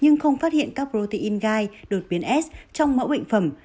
nhưng không phát hiện các protein gai đột biến s trong mẫu bệnh phẩm